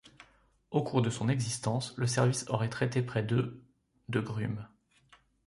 Au cours de son existence, le service aura traité près de de grumes.